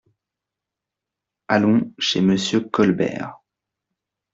Allons chez Monsieur Colbert.